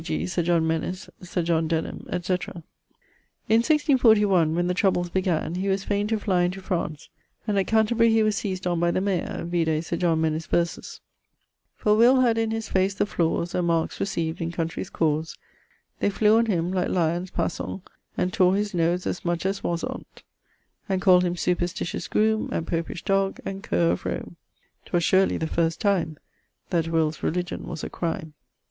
g. Sir John Menis, Sir John Denham, &c. In 1641, when the troubles began, he was faine to fly into France, and at Canterbury he was seised on by the mayor vide Sir John Menis' verses 'For Will had in his face the flawes And markes recieved in countrey's cause: They flew on him like lyons passant, And tore his nose as much as was on't, And call'd him superstitious groome, And Popish Dog, and Cur of Rome. ..... 'Twas surely the first time That Will's religion was a crime.'